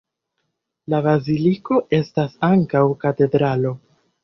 La baziliko estas ankaŭ katedralo.